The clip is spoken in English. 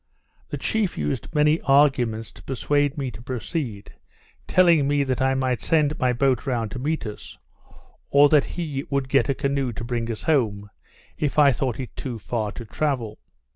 The chief used many arguments to persuade me to proceed, telling me that I might send my boat round to meet us, or that he would get a canoe to bring us home, if I thought it too far to travel.